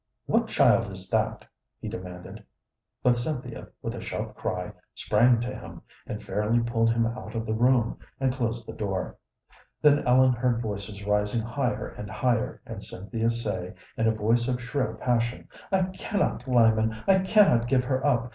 "What child is that?" he demanded; but Cynthia with a sharp cry sprang to him, and fairly pulled him out of the room, and closed the door. Then Ellen heard voices rising higher and higher, and Cynthia say, in a voice of shrill passion: "I cannot, Lyman. I cannot give her up.